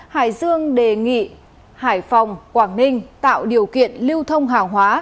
hải dương đề nghị hải phòng quảng ninh tạo điều kiện lưu thông hàng hóa